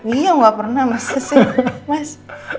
iya gak pernah masa sih mas